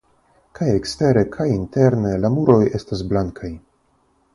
Kaj ekstere kaj interne la muroj estas blankaj.